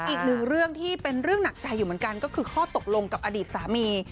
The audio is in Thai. อีกหนึ่งเรื่องที่เป็นเรื่องหนักใจอยู่เหมือนกันก็คือข้อตกลงกับอดีตสามี